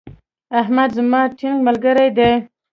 احمد زما ټينګ ملګری دی.